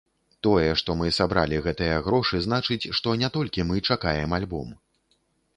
Тое, што мы сабралі гэтыя грошы значыць, што не толькі мы чакаем альбом.